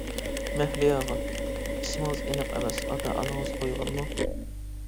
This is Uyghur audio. مەھلىياغا: ئىسمىڭىز ئېنىق ئەمەس، ئاتا-ئانىڭىز قويغانمۇ.